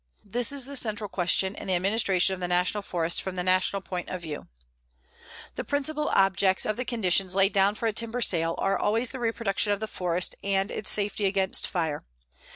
This is the central question in the administration of the National Forests from the national point of view. The principal objects of the conditions laid down for a timber sale are always the reproduction of the forest and its safety against fire.